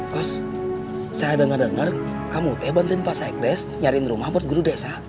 cost saya dengar dengar kamu teh bantuin pak sekdes nyariin rumah buat guru desa